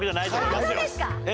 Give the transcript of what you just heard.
そうですか。